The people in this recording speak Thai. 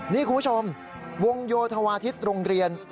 นี่คุณผู้ชมวงโยธวาทิศโรงเรียน